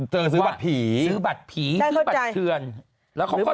เจอซื้อบัตรผีซื้อบัตรผีซื้อบัตรเทือนได้เข้าใจ